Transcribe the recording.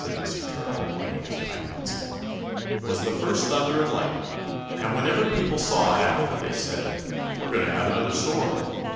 ] "And that," said Mr. Turtle, lighting his pipe once more, "was the first thunder and lightning, and whenever people saw it after that they said, 'We're going to have another storm!'